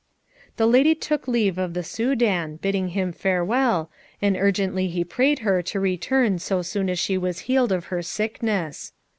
The lady took leave of the Soudan, bidding him farewell, and urgently he prayed her to return so soon as she was healed of her sickness.